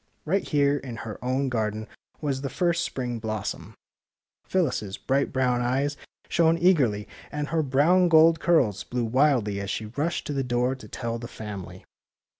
Right here in her own garden was the first spring blossom. Phyllis 's bright brown eyes shone eagerly, and her brown gold curls blew wildly as she rushed to the door to tell the family.